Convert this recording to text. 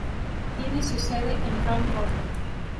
Tiene su sede en Round Rock.